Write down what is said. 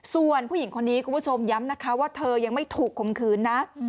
ส่วนผู้หญิงคนนี้คุณผู้ชมย้ำนะคะว่าเธอยังไม่ถูกคมคืนนะ